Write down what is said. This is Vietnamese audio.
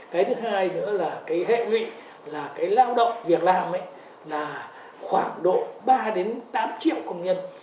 cái thứ hai nữa là cái hệ nguyện là cái lao động việc làm là khoảng độ ba tám triệu công nhân